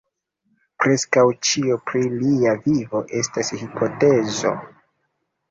Preskaŭ ĉio pri lia vivo estas hipotezo.